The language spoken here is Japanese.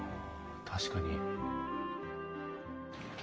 確かに。